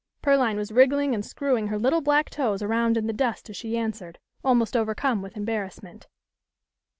Pearline was wriggling and screwing her little black toes around in the dust as she answered, almost overcome with embarrassment.